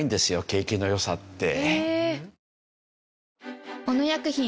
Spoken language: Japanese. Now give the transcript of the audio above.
景気の良さって。